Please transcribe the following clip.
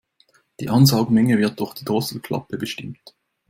Die Ansaugmenge wird durch die Drosselklappe bestimmt.